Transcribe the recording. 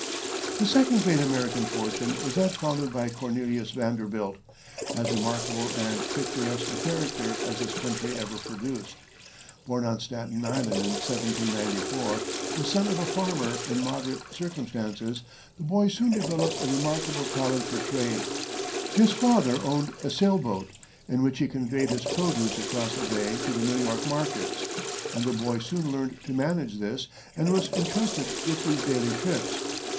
The second great American fortune was that founded by Cornelius Vanderbilt, as remarkable and picturesque a character as this country ever produced. Born on Staten Island in 1794, the son of a farmer in moderate circumstances, the boy soon developed a remarkable talent for trade. His father owned a sail boat, in which he conveyed his produce across the bay to the New York markets, and the boy soon learned to manage this and was intrusted with these daily trips.